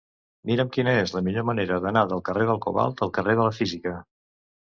Mira'm quina és la millor manera d'anar del carrer del Cobalt al carrer de la Física.